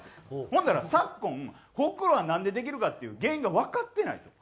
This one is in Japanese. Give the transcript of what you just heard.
ほんだら昨今ホクロはなんでできるかっていう原因がわかってないと。